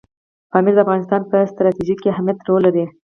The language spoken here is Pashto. پامیر د افغانستان په ستراتیژیک اهمیت کې رول لري.